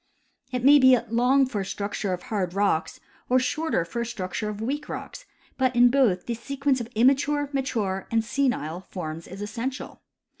It may be long for a structure of hard rocks, or shorter for a structure of weak rocks ; but in both the sequence of immature, mature, and senile forms is essential.